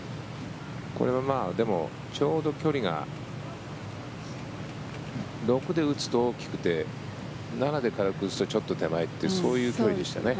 これはでもちょうど距離が６で打つと大きくて７で軽く打つとちょっと手前というそういう距離でしたね。